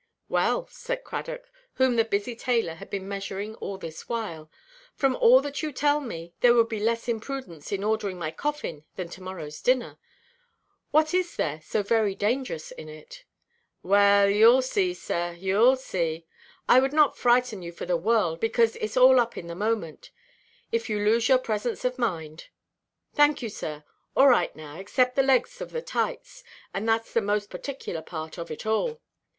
"Well," said Cradock, whom the busy tailor had been measuring all this while, "from all that you tell me, there would be less imprudence in ordering my coffin than to–morrowʼs dinner. What is there so very dangerous in it?" "Well, youʼll see, sir, youʼll see. I would not frighten you for the world, because itʼs all up in a moment, if you lose your presence of mind. Thank you, sir; all right now, except the legs of the tights, and thatʼs the most particular part of it all.